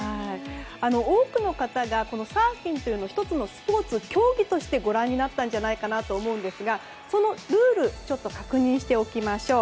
多くの方がサーフィンというのを１つのスポーツ、競技としてご覧になったんじゃないかと思うんですがそのルール確認しておきましょう。